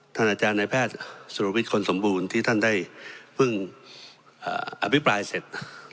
อาจารย์ในแพทย์สุรวิทย์คนสมบูรณ์ที่ท่านได้เพิ่งอภิปรายเสร็จ